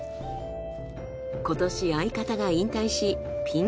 今年相方が引退しピン